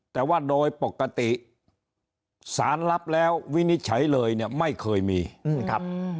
แต่ว่าโดยปกติสารรับแล้ววินิจฉัยเลยเนี่ยไม่เคยมีครับ